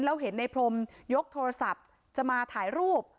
แล้วเห็นในพรมยกโทรศัพท์จะมาถ่ายรูป